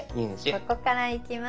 ここからいきます。